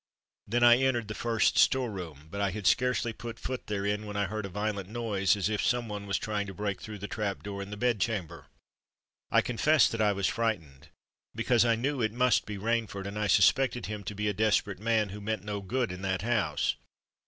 Then I entered the first store room; but I had scarcely put foot therein when I heard a violent noise as if some one was trying to break through the trap door in the bed chamber. I confess that I was frightened—because I knew it must be Rainford, and I suspected him to be a desperate man who meant no good in that house.